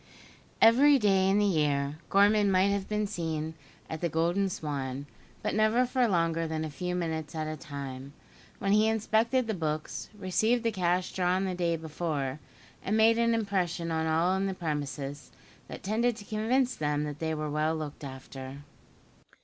Every day in the year, Gorman might have been seen at the "Golden Swan"; but never for longer than a few minutes at a time, when he inspected the books, received the cash drawn the day before; and made an impression on all in the premises, that tended to convince them they were well looked after.